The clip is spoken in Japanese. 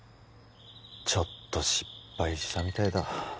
ちょっと失敗したみたいだ